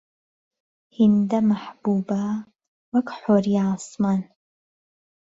هێنده مهحبوبه وەک حۆری عاسمان